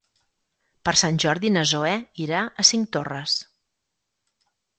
Per Sant Jordi na Zoè irà a Cinctorres.